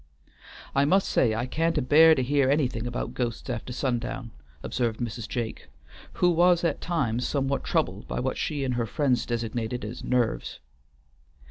"I must say I can't a bear to hear anything about ghosts after sundown," observed Mrs. Jake, who was at times somewhat troubled by what she and her friends designated as "narves."